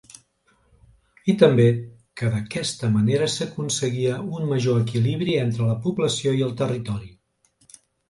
I també, que d'aquesta manera s'aconseguia un major equilibri entre la població i el territori.